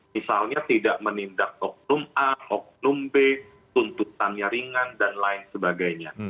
misalnya tidak menindak oknum a oknum b tuntutannya ringan dan lain sebagainya